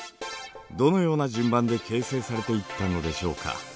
どのような順番で形成されていったのでしょうか。